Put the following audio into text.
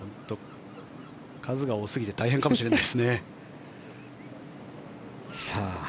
数が多すぎて大変かもしれないですね。